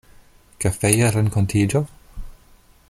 Kafeja renkontiĝo?